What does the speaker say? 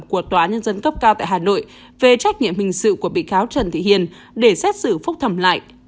của tòa nhân dân cấp cao tại hà nội về trách nhiệm hình sự của bị cáo trần thị hiền để xét xử phúc thẩm lại